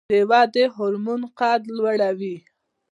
د ودې هورمون قد لوړوي